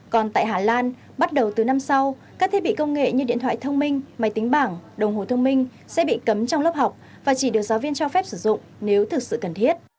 còn tại hà lan bắt đầu từ năm sau các thiết bị công nghệ như điện thoại thông minh máy tính bảng đồng hồ thông minh sẽ bị cấm trong lớp học và chỉ được giáo viên cho phép sử dụng nếu thực sự cần thiết